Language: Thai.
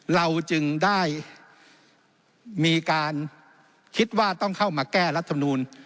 เราจึงได้มีการคิดว่าต้องเข้ามาแก้รัฐมนูล